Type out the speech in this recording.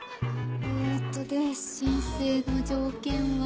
えっとで申請の条件は。